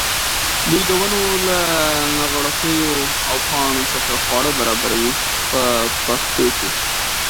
دوی د ونو له نغوړګیو او پاڼو څخه خواړه برابروي په پښتو کې.